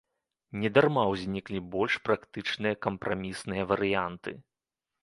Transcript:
Не дарма ўзніклі больш практычныя кампрамісныя варыянты.